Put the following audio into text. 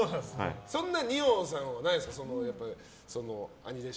そんなのは二葉さんはないんですか？